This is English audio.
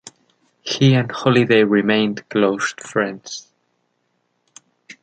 He and Holiday remained close friends.